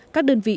các đơn vị